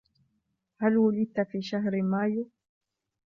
هل ولدت في شهر مايو ؟